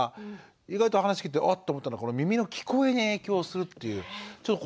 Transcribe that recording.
意外と話を聞いてあっと思ったのは耳の聞こえに影響するというこの部分。